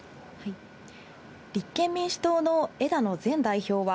立憲民主党の枝野前代表は、